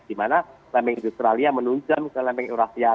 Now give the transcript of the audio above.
di mana lembeng australia menunjam ke lembeng eurasia